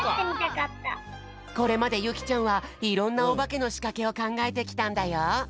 これまでゆきちゃんはいろんなオバケのしかけをかんがえてきたんだよ。